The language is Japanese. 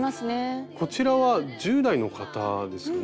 こちらは１０代の方ですね。